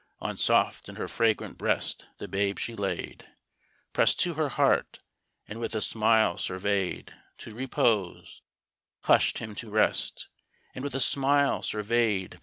on Soft in her fragrant breast the babe she laid, Prest to her heart, and with a smile survey'd; to repose Hush'd him to rest, and with a smile survey'd.